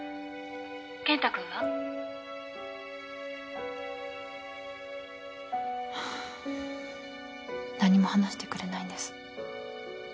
健太君は？何も話してくれないんです。